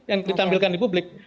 yang ditampilkan di publik